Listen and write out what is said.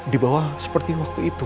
dibawa seperti waktu itu